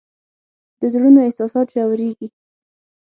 د زړونو احساسات ژورېږي